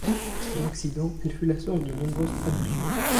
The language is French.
En Occident, elle fut la source de nombreuses traductions.